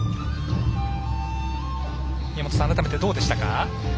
宮本さん、改めてどうでしたか？